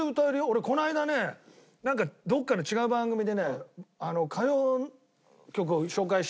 俺この間ねなんかどっかの違う番組でね歌謡曲を紹介してね